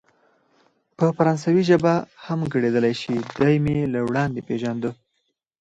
په فرانسوي هم ګړیدلای شي، دی مې له وړاندې پېژانده.